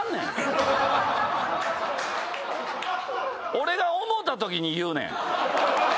俺が思うた時に言うねん。